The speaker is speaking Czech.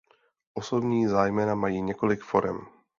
Osobní zájmena mají několik forem.